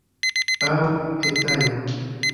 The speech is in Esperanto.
Aŭ hetajro!